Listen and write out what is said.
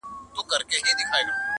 • ما خو داسي نه ویل چي خان به نه سې,